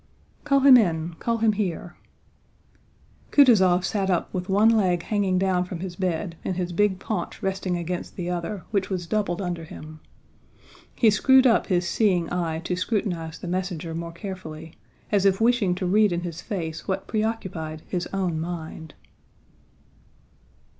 "Call him in, call him here." Kutúzov sat up with one leg hanging down from the bed and his big paunch resting against the other which was doubled under him. He screwed up his seeing eye to scrutinize the messenger more carefully, as if wishing to read in his face what preoccupied his own mind.